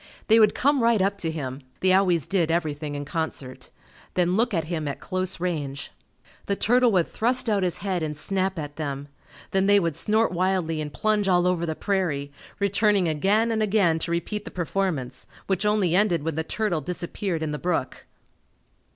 They would come right up to him (they always did everything in concert) then look at him at close range. The turtle would thrust out his head and snap at them; then they would snort wildly and plunge all over the prairie, returning again and again to repeat the performance, which only ended when the turtle disappeared in the brook.